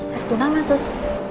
kartu nama sus